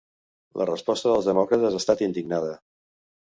La resposta dels demòcrates ha estat indignada.